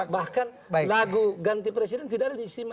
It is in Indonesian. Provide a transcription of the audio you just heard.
bahkan lagu ganti presiden tidak ada diisi